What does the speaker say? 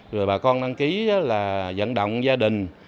rồi bà con đăng ký là dẫn động gia đình